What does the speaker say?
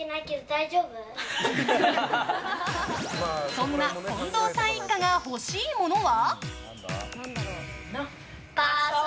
そんな近藤さん一家が欲しいものは？